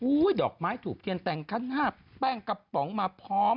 ดอกไม้ถูกเทียนแต่งคันนาบแป้งกระป๋องมาพร้อม